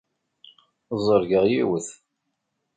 Ẓergeɣ yiwet.